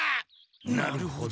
なるほど。